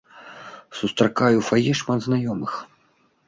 Сустракаю ў фае шмат знаёмых.